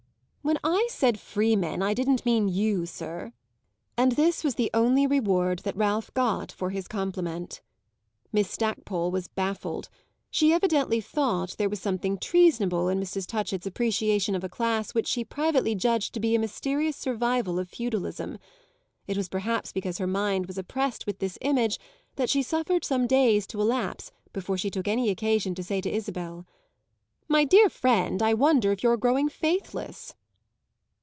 "When I said freemen I didn't mean you, sir!" And this was the only reward that Ralph got for his compliment. Miss Stackpole was baffled; she evidently thought there was something treasonable in Mrs. Touchett's appreciation of a class which she privately judged to be a mysterious survival of feudalism. It was perhaps because her mind was oppressed with this image that she suffered some days to elapse before she took occasion to say to Isabel: "My dear friend, I wonder if you're growing faithless."